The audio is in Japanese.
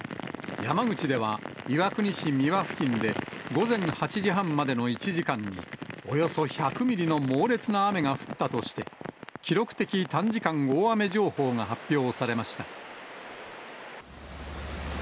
山口では、岩国市美和付近で午前８時半までの１時間に、およそ１００ミリの猛烈な雨が降ったとして、記録的短時間大雨情報が発表されました。